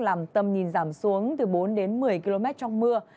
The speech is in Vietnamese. làm tầm nhìn giảm xuống từ bốn đến một mươi km trong mưa